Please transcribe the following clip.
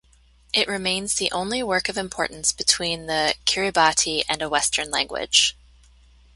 It remains the only work of importance between the Kiribati and a western language.